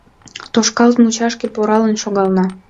Тошкалт мучашке пуралын шогална